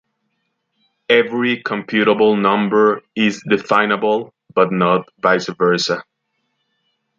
Every computable number is definable, but not vice versa.